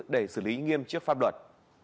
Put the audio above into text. để xử lý nghiêm trước pháp luật